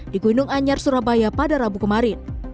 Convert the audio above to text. di gunung anyar surabaya pada rabu kemarin